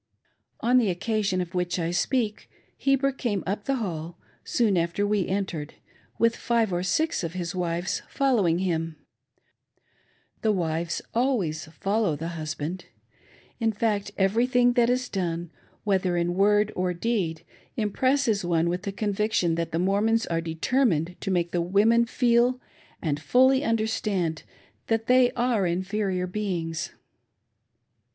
On the occasion of which I speak, Heber came up the Hall, soon after we entered, with five or six of his wives following him, The wives always follow the husband. In fact, every 498 LADIES GO last! thing that is done, whether in word or deed, impresses one with the conviction that the Mormons are determined to make the wohien feel and fully understand that they are inferior beings.